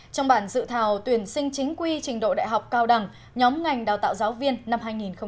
trong bản dự thảo tuyển sinh chính quy trình độ đại học cao đẳng nhóm ngành đào tạo giáo viên năm hai nghìn hai mươi